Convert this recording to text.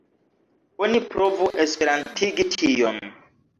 Oni provu esperantigi tion.